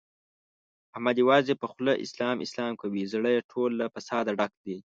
احمد یوازې په خوله اسلام اسلام کوي، زړه یې ټول له فساده ډک دی.